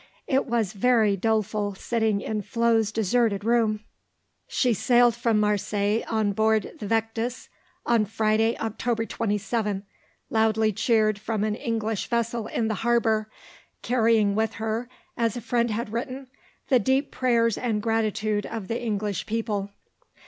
It was very doleful sitting in Flo's deserted room. She sailed from Marseilles on board the Vectis on Friday, October 27, loudly cheered from an English vessel in the harbour, carrying with her, as a friend had written, "the deep prayers and gratitude of the English people."